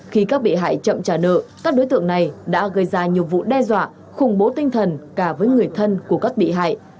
khi các bị hại chậm trả nợ các đối tượng này đã gây ra nhiều vụ đe dọa khủng bố tinh thần cả với người thân của các bị hại